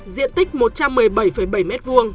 diện tích một trăm một mươi bảy bảy m hai